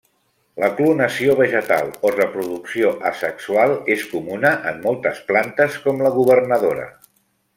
La clonació vegetal o reproducció asexual és comuna en moltes plantes, com la governadora.